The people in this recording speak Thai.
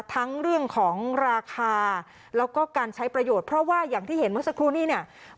ทั้งเรื่องของราคาแล้วก็การใช้ประโยชน์เพราะว่าอย่างที่เห็นเมื่อสักครู่นี้เนี่ย